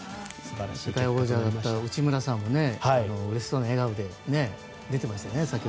世界王者の内村さんもうれしそうな笑顔で出ていましたね。